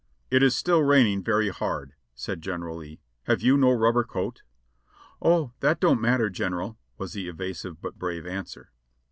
"It is still raining very hard," said General Lee; "have you no rubber coat?" "O, that don't matter. General," was the evasive but brave an swer.